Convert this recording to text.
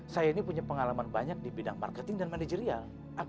saya ini punya pengalaman banyak di bidang marketing dan manajerial